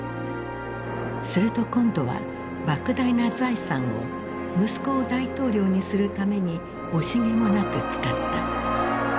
すると今度はばく大な財産を息子を大統領にするために惜しげもなく使った。